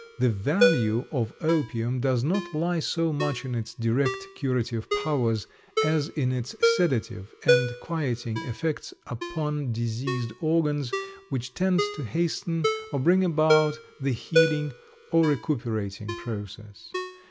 The value of opium does not lie so much in its direct curative powers as in its sedative and quieting effects upon diseased organs, which tends to hasten or bring about the healing or recuperating process.